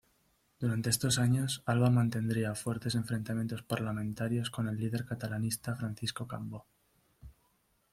Durante estos años Alba mantendría fuertes enfrentamientos parlamentarios con el líder catalanista Francisco Cambó.